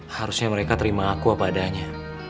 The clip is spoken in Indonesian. harusnya mereka terima aku apa adanya